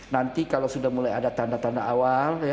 nanti kalau sudah mulai ada tanda tanda awal